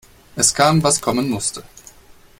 Es kam, was kommen musste.